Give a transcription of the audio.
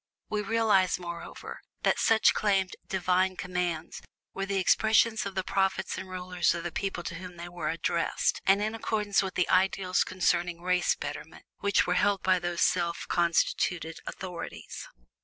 We realize, moreover, that such claimed Divine Commands were the expression of the prophets and rulers of the people to whom they were addressed, and in accordance with the ideals concerning race betterment which were held by these self constituted authorities.